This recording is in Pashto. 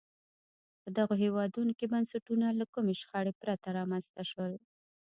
په دغو هېوادونو کې بنسټونه له کومې شخړې پرته رامنځته شول.